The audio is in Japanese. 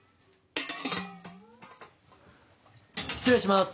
・失礼します。